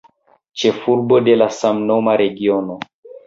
Ĉefurbo de la samnoma regiono.